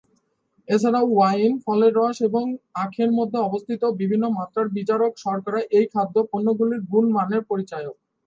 এছাড়াও, ওয়াইন, ফলের রস এবং আখের মধ্যে অবস্থিত বিভিন্ন মাত্রার বিজারক শর্করা এই খাদ্য পণ্যগুলির গুণমানের পরিচায়ক।